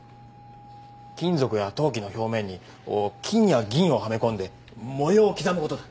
金属や陶器の表面にこう金や銀をはめ込んで模様を刻むことだ。